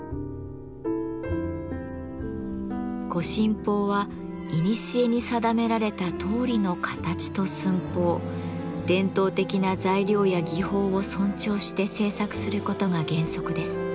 御神宝はいにしえに定められたとおりの形と寸法伝統的な材料や技法を尊重して制作することが原則です。